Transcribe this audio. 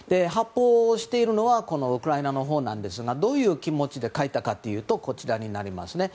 発砲しているのはウクライナのほうなんですがどういう気持ちで描いたかというとこちらになります。